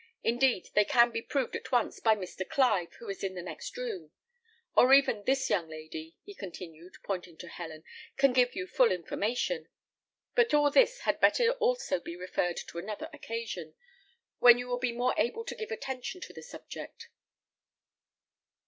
Indeed, they can be proved at once by Mr. Clive, who is in the next room; or even this young lady," he continued, pointing to Helen, "can give you full information. But all this had better also be referred to another occasion, when you will be more able to give attention to the subject."